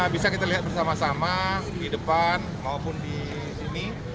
bisa kita lihat bersama sama di depan maupun di sini